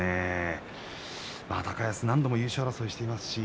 高安は何度も優勝争いしています。